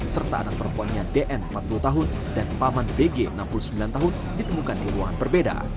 serta anak perempuannya dn empat puluh tahun dan paman bg enam puluh sembilan tahun ditemukan di ruangan berbeda